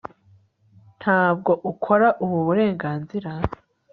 Ntabwo ukora ubu burenganzira